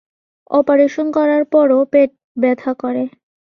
Operation করার পরও পেট ব্যথা করে।